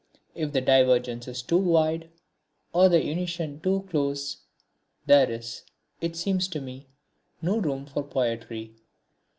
If the divergence is too wide, or the unison too close, there is, it seems to me, no room for poetry.